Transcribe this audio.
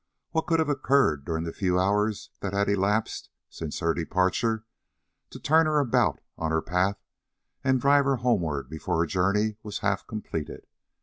What could have occurred during the few hours that had elapsed since her departure, to turn her about on her path and drive her homeward before her journey was half completed?